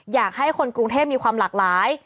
อยากให้คนกรุงเทพมีความหลากหลาย